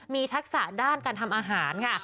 มีทักษะด้านการทำอาหารค่ะ